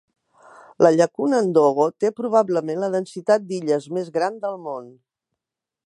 La llacuna Ndogo té probablement la densitat d'illes més gran del món.